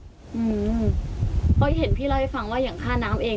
เพราะเห็นพี่เล่าให้ฟังว่าอย่างค่าน้ำเอง